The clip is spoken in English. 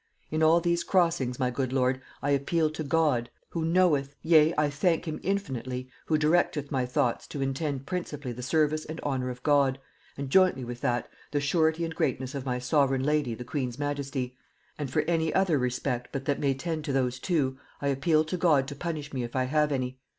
In all these crossings, my good lord, I appeal to God, who knoweth, yea, I thank him infinitely, who directeth my thoughts to intend principally the service and honor of God, and, jointly with that, the surety and greatness of my sovereign lady the queen's majesty; and for any other respect but that may tend to those two, I appeal to God to punish me if I have any.